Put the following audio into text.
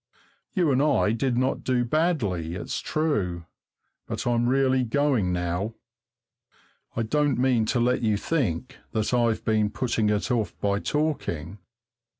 You and I did not do badly, it's true but I'm really going now. I don't mean to let you think that I've been putting it off by talking!